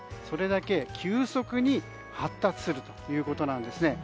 それだけ急速に発達するということです。